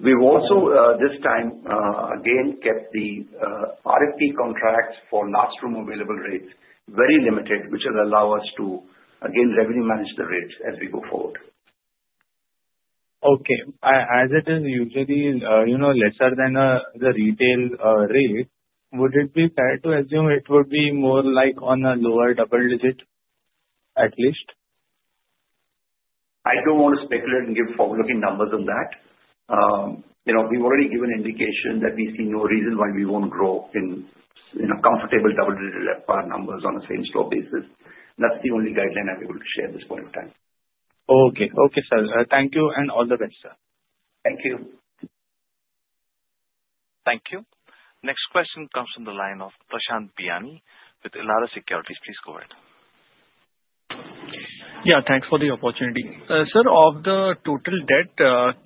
We've also this time again kept the RFP contracts for last room available rates very limited, which will allow us to, again, revenue manage the rates as we go forward. Okay. As it is usually lesser than the retail rate, would it be fair to assume it would be more like on a lower double digit at least? I don't want to speculate and give forward-looking numbers on that. We've already given indication that we see no reason why we won't grow in comfortable double-digit RevPAR numbers on a same store basis. That's the only guideline I'm able to share at this point of time. Okay. Okay, sir. Thank you and all the best, sir. Thank you. Thank you. Next question comes from the line of Prashant Biyani with Elara Securities. Please go ahead. Yeah. Thanks for the opportunity. Sir, of the total debt,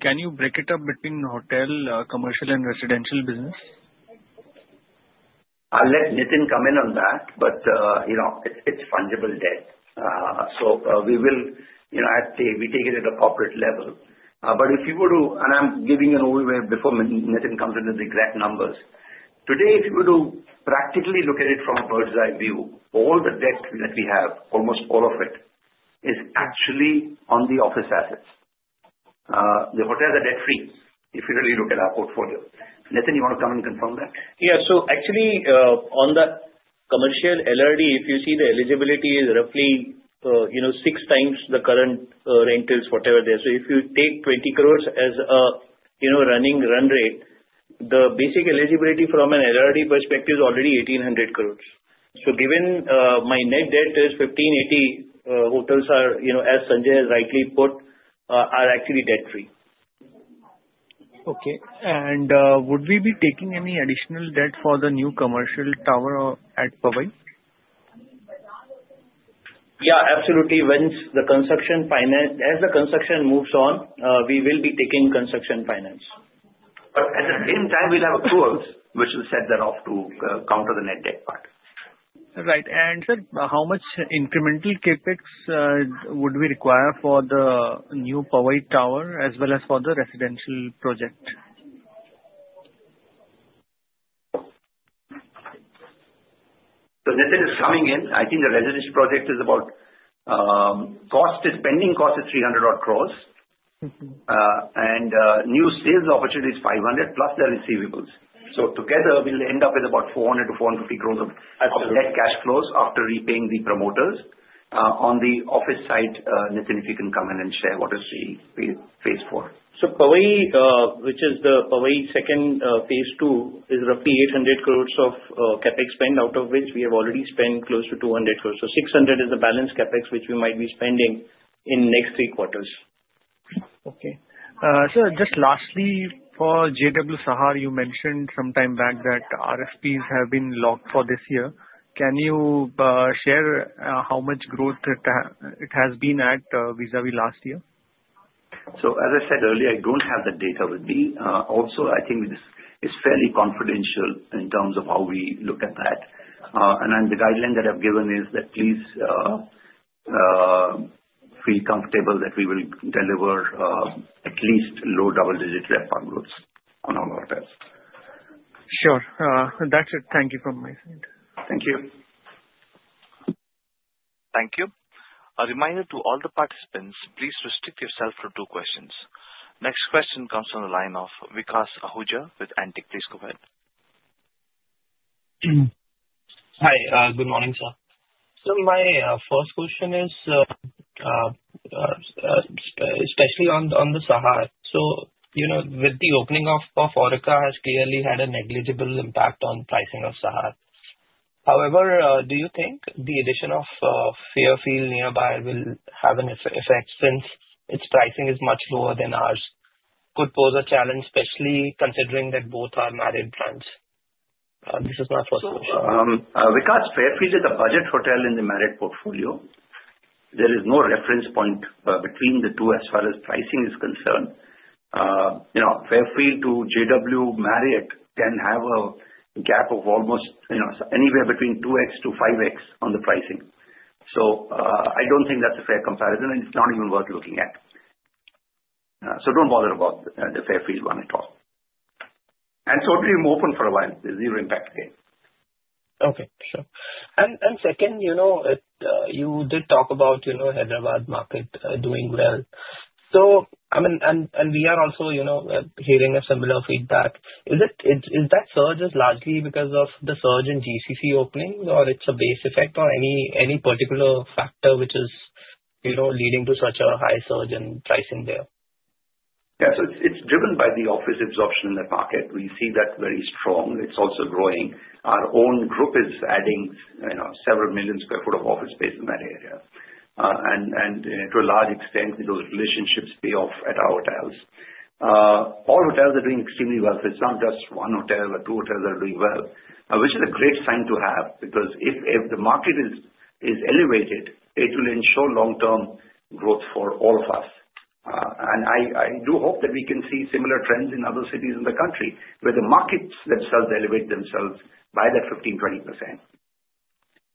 can you break it up between hotel, commercial, and residential business? I'll let Nitin come in on that, but it's fungible debt. So we will, at the we take it at a corporate level. But if you were to, and I'm giving an overview before Nitin comes in with the exact numbers, today, if you were to practically look at it from a bird's-eye view, all the debt that we have, almost all of it, is actually on the office assets. The hotels are debt-free if you really look at our portfolio. Nitin, you want to come and confirm that? Yeah. So actually, on the commercial LRD, if you see the eligibility is roughly six times the current rentals, whatever they are. So if you take 20 crores as a running run rate, the basic eligibility from an LRD perspective is already 1,800 crores. So given my net debt is 1,580, hotels are, as Sanjay has rightly put, actually debt-free. Okay, and would we be taking any additional debt for the new commercial tower at Powai? Yeah, absolutely. As the construction moves on, we will be taking construction finance. But at the same time, we'll have accruals, which will set that off to counter the net debt part. Right. And sir, how much incremental CapEX would we require for the new Powai tower as well as for the residential project? So Nitin is coming in. I think the residential project is about cost is pending cost is 300-odd crores. And new sales opportunity is 500 plus the receivables. So together, we'll end up with about 400 to 450 crores of net cash flows after repaying the promoters. On the office side, Nitin, if you can come in and share what is the phase four. Powai, which is the Powai second phase two, is roughly 800 crores of CapEX spend, out of which we have already spent close to 200 crores. 600 is the balance CapEX, which we might be spending in next three quarters. Okay. Sir, just lastly, for JW Sahar, you mentioned some time back that RFPs have been locked for this year. Can you share how much growth it has been at vis-à-vis last year? So as I said earlier, I don't have the data with me. Also, I think this is fairly confidential in terms of how we look at that. And the guideline that I've given is that please feel comfortable that we will deliver at least low double-digit RevPAR on all hotels. Sure. That's it. Thank you from my side. Thank you. Thank you. A reminder to all the participants, please restrict yourself to two questions. Next question comes from the line of Vikas Ahuja with Antique. Please go ahead. Hi. Good morning, sir. My first question is especially on the Sahar. With the opening of Aurika, it has clearly had a negligible impact on pricing of Sahar. However, do you think the addition of Fairfield nearby will have an effect since its pricing is much lower than ours? It could pose a challenge, especially considering that both are Marriott brands. This is my first question. So Vikas, Fairfield is a budget hotel in the Marriott portfolio. There is no reference point between the two as far as pricing is concerned. Fairfield to JW Marriott can have a gap of almost anywhere between 2x to 5x on the pricing. So I don't think that's a fair comparison, and it's not even worth looking at. So don't bother about the Fairfield one at all. And so it will be open for a while. There's zero impact there. Okay. Sure. And second, you did talk about Hyderabad market doing well. And we are also hearing a similar feedback. Is that surge largely because of the surge in GCC openings, or it's a base effect, or any particular factor which is leading to such a high surge in pricing there? Yeah. It's driven by the office absorption in that market. We see that very strong. It's also growing. Our own group is adding several million sq ft of office space in that area. To a large extent, those relationships pay off at our hotels. All hotels are doing extremely well. There's not just one hotel or two hotels that are doing well, which is a great sign to have because if the market is elevated, it will ensure long-term growth for all of us. I do hope that we can see similar trends in other cities in the country where the markets themselves elevate themselves by that 15%-20%.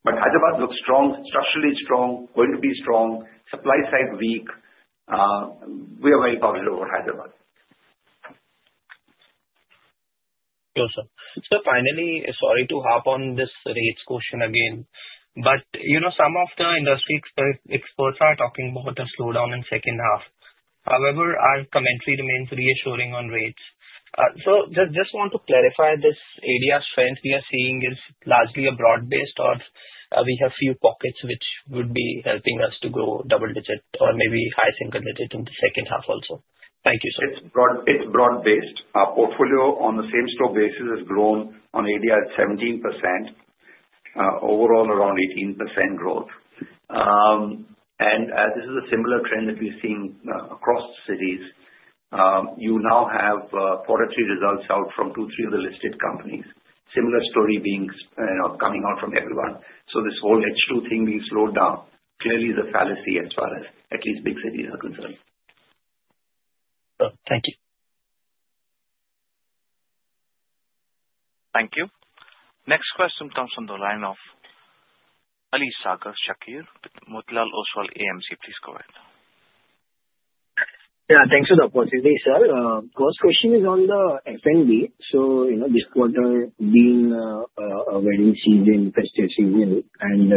But Hyderabad looks strong, structurally strong, going to be strong, supply side weak. We are very positive about Hyderabad. Sure, sir. So finally, sorry to hop on this rates question again, but some of the industry experts are talking about a slowdown in second half. However, our commentary remains reassuring on rates. So just want to clarify this area of strength we are seeing is largely a broad-based or we have few pockets which would be helping us to grow double-digit or maybe high single-digit in the second half also. Thank you, sir. It's broad-based. Our portfolio on the same-store basis has grown on ADR at 17%, overall around 18% growth. This is a similar trend that we've seen across cities. You now have quarter three results out from two, three of the listed companies. Similar story coming out from everyone. This whole H2 thing being slowed down clearly is a fallacy as far as at least big cities are concerned. Thank you. Thank you. Next question comes from the line of Ali Asgar Shakir with Motilal Oswal AMC. Please go ahead. Yeah. Thanks for the opportunity, sir. First question is on the F&B. So this quarter being a wedding season, festive season, and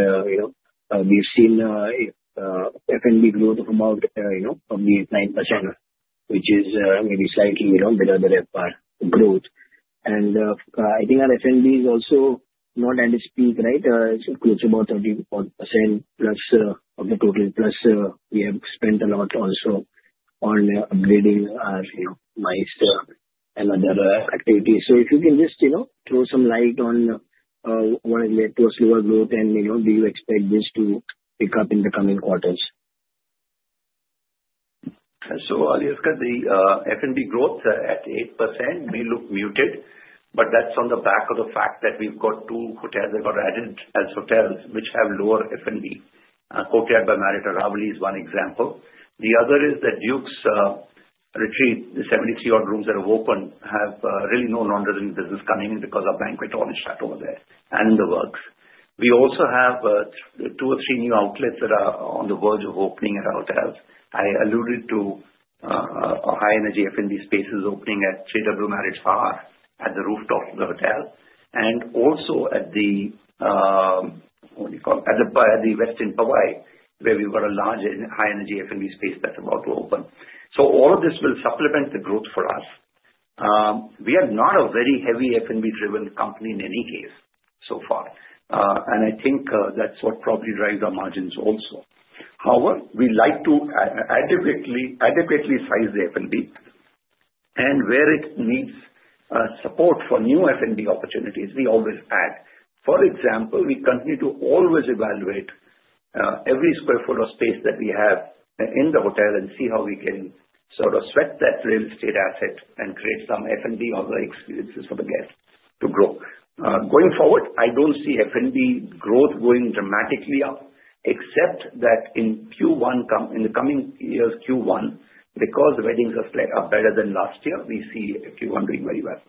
we've seen F&B growth of about probably 8%-9%, which is maybe slightly better than the growth. And I think our F&B is also not at its peak, right? It's close to about 30%-40% plus of the total, plus we have spent a lot also on upgrading our MICE and other activities. So if you can just throw some light on what is led to a slower growth and do you expect this to pick up in the coming quarters? So you've got the F&B growth at 8%. We look muted, but that's on the back of the fact that we've got two hotels that are added as hotels which have lower F&B. Courtyard by Marriott Aravali is one example. The other is The Duke's Retreat, the 73-odd rooms that have opened have really no non-resident business coming in because of banquet hall is shut over there and in the works. We also have two or three new outlets that are on the verge of opening at our hotels. I alluded to a high-energy F&B space opening at JW Marriott Sahar at the rooftop of the hotel and also at the what do you call it? At the Westin in Powai, where we've got a large high-energy F&B space that's about to open. So all of this will supplement the growth for us. We are not a very heavy F&B-driven company in any case so far, and I think that's what probably drives our margins also. However, we like to adequately size the F&B, and where it needs support for new F&B opportunities, we always add. For example, we continue to always evaluate every square foot of space that we have in the hotel and see how we can sort of sweat that real estate asset and create some F&B or other experiences for the guests to grow. Going forward, I don't see F&B growth going dramatically up, except that in Q1, in the coming years, Q1, because weddings are better than last year, we see Q1 doing very well.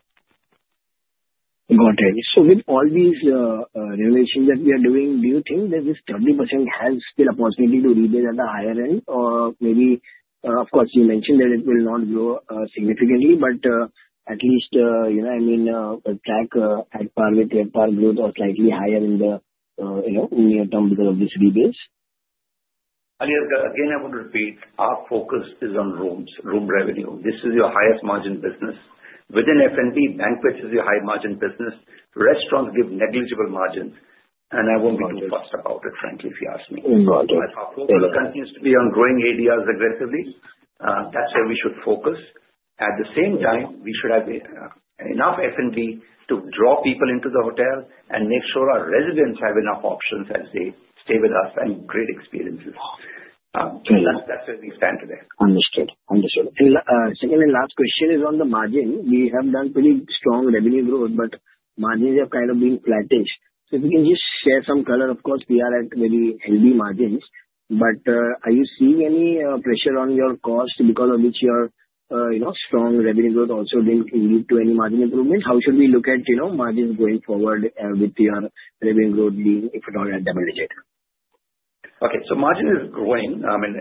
Got it. So with all these renovations that we are doing, do you think that this 30% has still a possibility to re-rate at a higher end, or maybe, of course, you mentioned that it will not grow significantly, but at least, I mean, track at par with the peer growth or slightly higher in the near term because of these re-rates? Ali, again, I want to repeat. Our focus is on rooms, room revenue. This is your highest margin business. Within F&B, banquets is your high-margin business. Restaurants give negligible margins. And I won't be too fast about it, frankly, if you ask me. Got it. Our focus continues to be on growing ADRs aggressively. That's where we should focus. At the same time, we should have enough F&B to draw people into the hotel and make sure our residents have enough options as they stay with us and great experiences. That's where we stand today. Understood. Understood. And secondly, last question is on the margin. We have done pretty strong revenue growth, but margins have kind of been flattish. So if you can just share some color, of course, we are at very healthy margins, but are you seeing any pressure on your cost because of which your strong revenue growth also didn't lead to any margin improvement? How should we look at margins going forward with your revenue growth being, if at all, at double-digit? Okay. So margin is growing. I mean,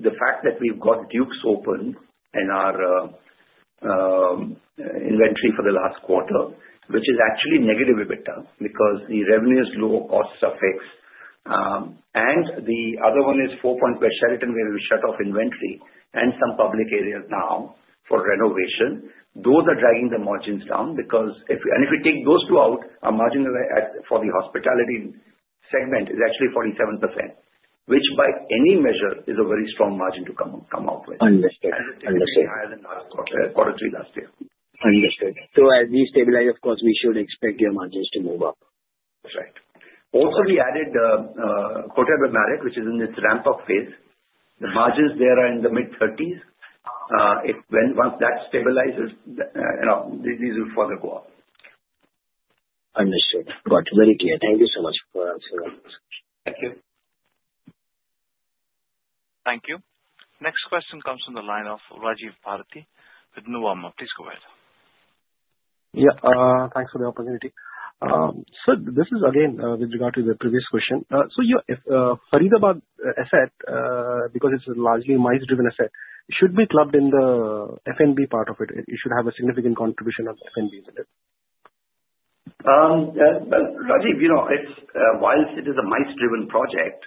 the fact that we've got Duke's open and our inventory for the last quarter, which is actually negative EBITDA because the revenue is low, costs are fixed. And the other one is Four Points by Sheraton where we shut off inventory and some public areas now for renovation. Those are dragging the margins down because if you take those two out, our margin for the hospitality segment is actually 47%, which by any measure is a very strong margin to come out with. Understood. Understood. Higher than last quarter, Q3 last year. Understood. So as we stabilize, of course, we should expect your margins to move up. That's right. Also, we added the Marriott Hotel, which is in its ramp-up phase. The margins there are in the mid-30s. Once that stabilizes, these will further go up. Understood. Got it. Very clear. Thank you so much for answering that. Thank you. Thank you. Next question comes from the line of Rajiv Bharti with Nuvama. Please go ahead. Yeah. Thanks for the opportunity. Sir, this is again with regard to the previous question. So your Faridabad asset, because it's largely MICE-driven asset, should be clubbed in the F&B part of it. It should have a significant contribution of F&B in it. Rajiv, while it is a MICE-driven project, it's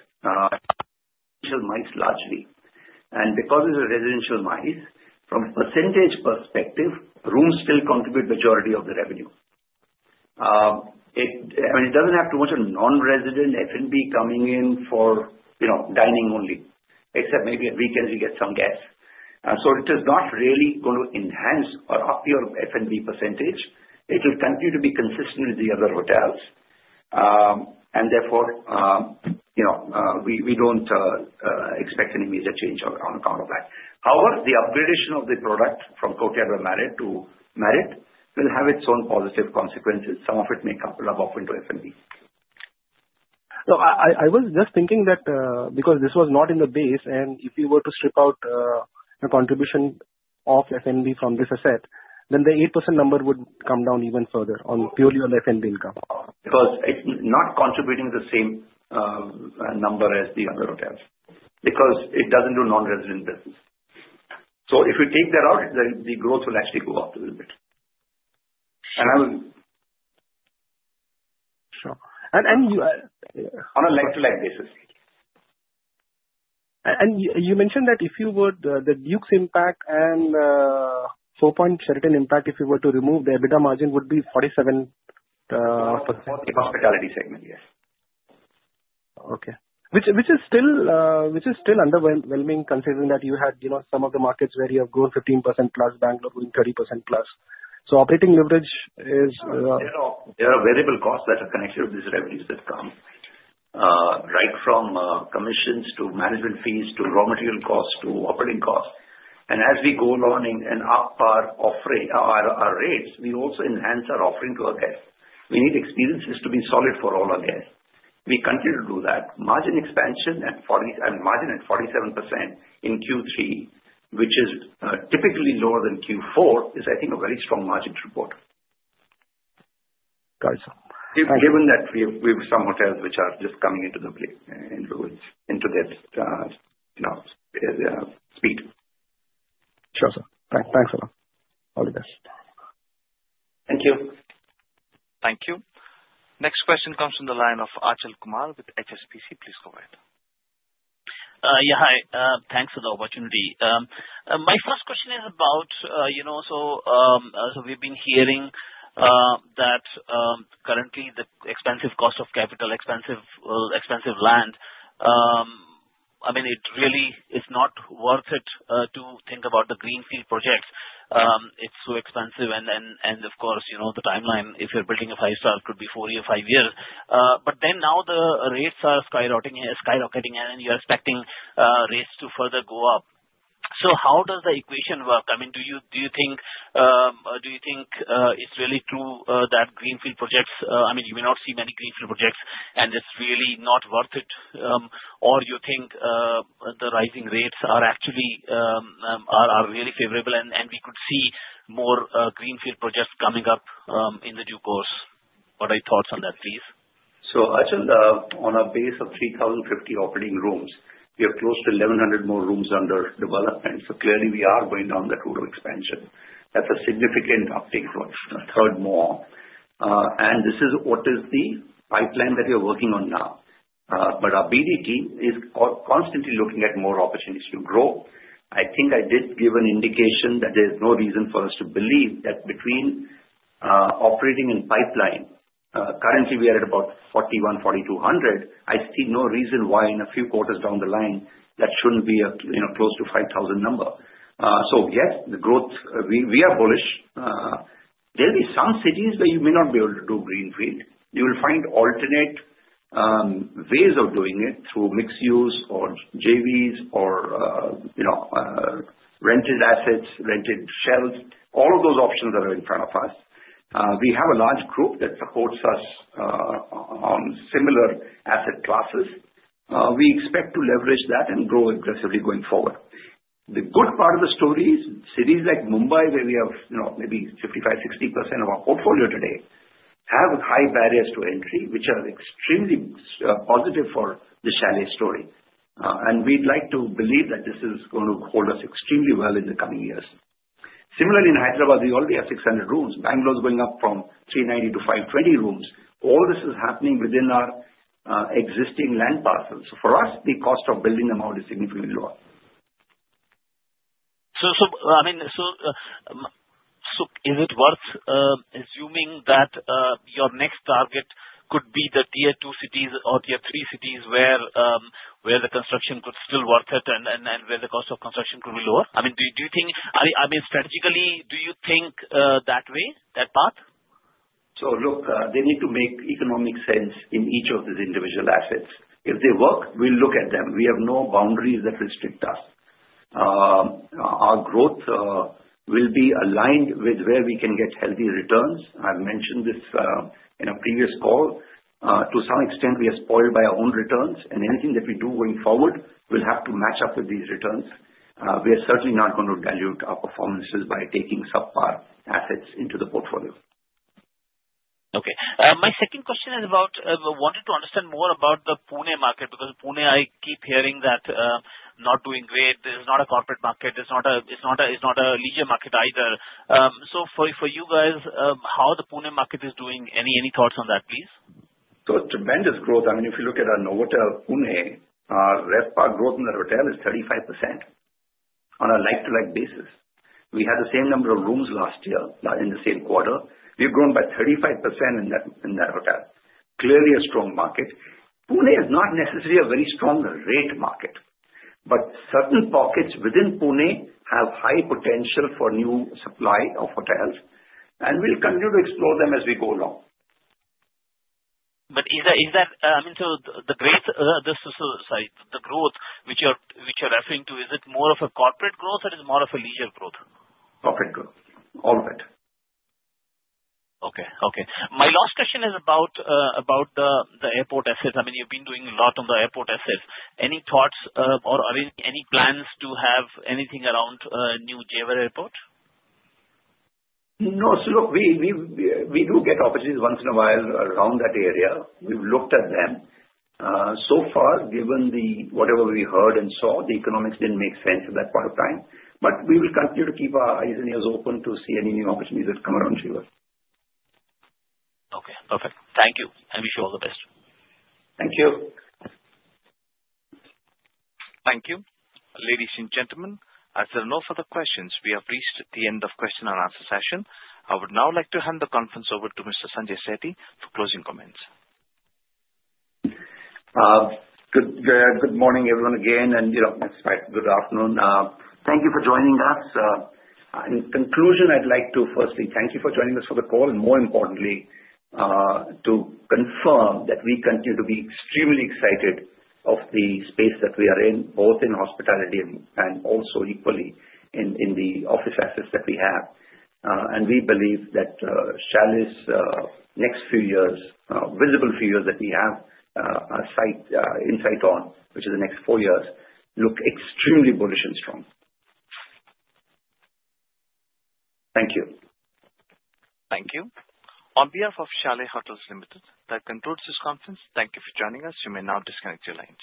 residential MICE largely. And because it's residential MICE, from a percentage perspective, rooms still contribute the majority of the revenue. I mean, it doesn't have too much of non-resident F&B coming in for dining only, except maybe at weekends you get some guests. So it is not really going to enhance or up your F&B percentage. It will continue to be consistent with the other hotels. And therefore, we don't expect any major change on account of that. However, the upgradation of the product from Courtyard by Marriott to Marriott will have its own positive consequences. Some of it may couple up into F&B. So I was just thinking that because this was not in the base, and if you were to strip out a contribution of F&B from this asset, then the 8% number would come down even further purely on the F&B income. Because it's not contributing the same number as the other hotels because it doesn't do non-resident business. So if you take that out, the growth will actually go up a little bit. And I will. Sure. And you. On a like-to-like basis. You mentioned that if you were to remove The Duke's Retreat impact and Four Points by Sheraton impact, the EBITDA margin would be 47%. Hospitality segment, yes. Okay. Which is still underwhelming considering that you had some of the markets where you have grown 15% plus, Bengaluru growing 30% plus. So operating leverage is. There are variable costs that are connected with these revenues that come right from commissions to management fees to raw material costs to operating costs. And as we go along and up our rates, we also enhance our offering to our guests. We need experiences to be solid for all our guests. We continue to do that. Margin expansion and margin at 47% in Q3, which is typically lower than Q4, is, I think, a very strong margin to report. Got it, sir. Given that we have some hotels which are just coming into the break into that speed. Sure, sir. Thanks a lot, Oliver. Thank you. Thank you. Next question comes from the line of Achal Kumar with HSBC. Please go ahead. Yeah. Hi. Thanks for the opportunity. My first question is about, so we've been hearing that currently the expensive cost of capital, expensive land, I mean, it really is not worth it to think about the greenfield projects. It's so expensive. And of course, the timeline, if you're building a five-star, could be four years, five years. But then now the rates are skyrocketing, and you're expecting rates to further go up. So how does the equation work? I mean, do you think it's really true that greenfield projects, I mean, you may not see many greenfield projects, and it's really not worth it? Or do you think the rising rates are actually really favorable, and we could see more greenfield projects coming up in due course? What are your thoughts on that, please? So Achal, on a base of 3,050 operating rooms, we have close to 1,100 more rooms under development. So clearly, we are going down that route of expansion. That's a significant uptick for a third more. And this is what is the pipeline that we are working on now. But our BD team is constantly looking at more opportunities to grow. I think I did give an indication that there's no reason for us to believe that between operating and pipeline, currently we are at about 41, 42 hundred. I see no reason why in a few quarters down the line that shouldn't be close to 5,000 number. So yes, the growth, we are bullish. There will be some cities where you may not be able to do greenfield. You will find alternate ways of doing it through mixed use or JVs or rented assets, rented shells. All of those options are in front of us. We have a large group that supports us on similar asset classes. We expect to leverage that and grow aggressively going forward. The good part of the story is cities like Mumbai, where we have maybe 55%-60% of our portfolio today, have high barriers to entry, which are extremely positive for the Chalet story. And we'd like to believe that this is going to hold us extremely well in the coming years. Similarly, in Hyderabad, we already have 600 rooms. Bengaluru is going up from 390 to 520 rooms. All this is happening within our existing land parcels. So for us, the cost of building them out is significantly lower. So I mean, so is it worth assuming that your next target could be the tier two cities or tier three cities where the construction could still worth it and where the cost of construction could be lower? I mean, do you think, I mean, strategically, do you think that way, that path? So look, they need to make economic sense in each of these individual assets. If they work, we'll look at them. We have no boundaries that restrict us. Our growth will be aligned with where we can get healthy returns. I've mentioned this in a previous call. To some extent, we are spoiled by our own returns, and anything that we do going forward will have to match up with these returns. We are certainly not going to dilute our performances by taking subpar assets into the portfolio. Okay. My second question is about wanting to understand more about the Pune market because Pune, I keep hearing that not doing great. It's not a corporate market. It's not a leisure market either. So for you guys, how the Pune market is doing? Any thoughts on that, please? So tremendous growth. I mean, if you look at our Novotel Pune, our RevPAR growth in the hotel is 35% on a like-to-like basis. We had the same number of rooms last year in the same quarter. We've grown by 35% in that hotel. Clearly, a strong market. Pune is not necessarily a very strong rate market, but certain pockets within Pune have high potential for new supply of hotels, and we'll continue to explore them as we go along. But is that, I mean, so the growth, sorry, the growth which you're referring to, is it more of a corporate growth or is it more of a leisure growth? Corporate growth. All of it. Okay. My last question is about the airport assets. I mean, you've been doing a lot on the airport assets. Any thoughts or any plans to have anything around New Jewar Airport? No. So look, we do get opportunities once in a while around that area. We've looked at them. So far, given whatever we heard and saw, the economics didn't make sense at that point of time. But we will continue to keep our eyes and ears open to see any new opportunities that come around Jewar. Okay. Perfect. Thank you. I wish you all the best. Thank you. Thank you. Ladies and gentlemen, as there are no further questions, we have reached the end of the question and answer session. I would now like to hand the conference over to Mr. Sanjay Sethi for closing comments. Good morning, everyone, again. And it's quite good afternoon. Thank you for joining us. In conclusion, I'd like to firstly thank you for joining us for the call. And more importantly, to confirm that we continue to be extremely excited of the space that we are in, both in hospitality and also equally in the office assets that we have. And we believe that Chalet's next few years, visible few years that we have insight on, which is the next four years, look extremely bullish and strong. Thank you. Thank you. On behalf of Chalet Hotels Limited, that concludes this conference. Thank you for joining us. You may now disconnect your line.